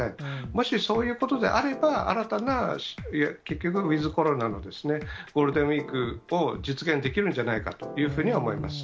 もしそういうことであれば、新たな結局、ウィズコロナのゴールデンウィークを実現できるんじゃないかというふうには思います。